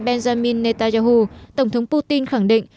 benjamin netanyahu tổng thống putin khẳng định